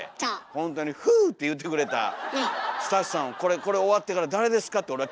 ほんとに「フゥー！」って言ってくれたスタッフさんをこれ終わってから「誰ですか」って俺は聞いてみたいです。